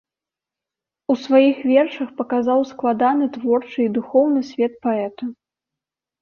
У сваіх вершах паказаў складаны творчы і духоўны свет паэта.